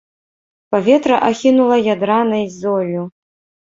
Паветра ахінула ядранай золлю.